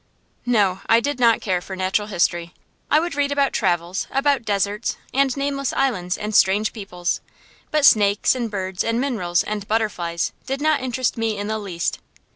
No, I did not care for natural history. I would read about travels, about deserts, and nameless islands, and strange peoples; but snakes and birds and minerals and butterflies did not interest me in the least.